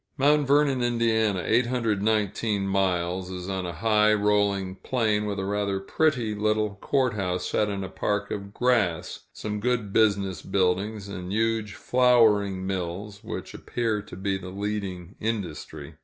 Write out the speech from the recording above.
Mt. Vernon, Ind. (819 miles), is on a high, rolling plain, with a rather pretty little court house set in a park of grass, some good business buildings, and huge flouring mills, which appear to be the leading industry.